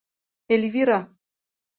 Эльвира.